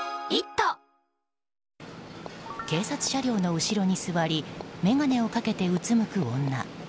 警察車両の後ろに座り眼鏡をかけてうつむく女。